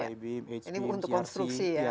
ini untuk konstruksi ya